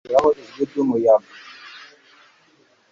genda ushake ubuhungiro, aho ijwi ryumuyaga